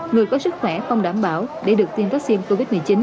người có sức khỏe không đảm bảo để được tiêm vaccine covid một mươi chín